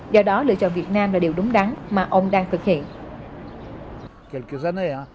do đó lựa chọn việt nam là điều đúng đắn mà ông đang thực hiện